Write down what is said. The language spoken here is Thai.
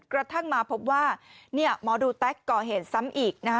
กระทั่งมาพบว่าหมอดูแต๊กก่อเหตุซ้ำอีกนะคะ